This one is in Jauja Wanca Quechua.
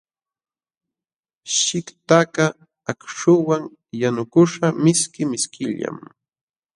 Shitqakaq akśhuwan yanukuśhqa mishki mishkillam.